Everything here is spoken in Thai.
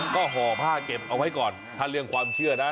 ก็ห่อผ้าเก็บเอาไว้ก่อนถ้าเรื่องความเชื่อนะ